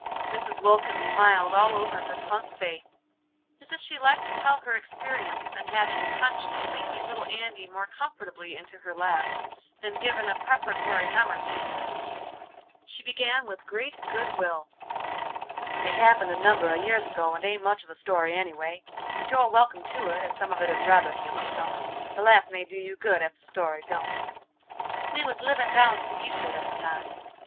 Mrs. Wilkins smiled all over her plump face, as if she liked to tell her experience, and having hunched sleepy little Andy more comfortably into her lap, and given a preparatory hem or two, she began with great good will. "It happened a number a years ago and ain't much of a story any way. But you're welcome to it, as some of it is rather humorsome, the laugh may do you good ef the story don't. We was livin' down to the east'ard at the time.